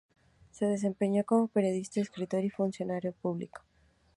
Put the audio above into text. Se desempeñó como periodista, escritor y funcionario público.